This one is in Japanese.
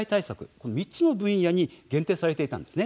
この３つの分野に限定されていたんです。